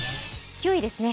９位ですね。